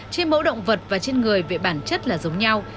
trên mẫu động vật và trên người về bản chất là giống nhau